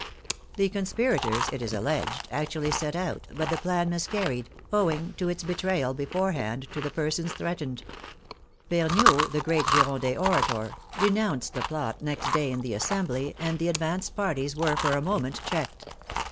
The con spirators, it is alleged, actually set out, but the plan mis carried, owing to its betrayal beforehand to the persons threatened. Vergniaud, the great Girondin orator, de nounced the plot next day in the Assembly, and the ad vanced parties were for a moment checked.